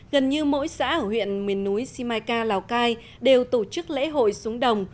gần như mỗi xã ở huyện miền núi simaika lào cai đều tổ chức lễ hội súng đồng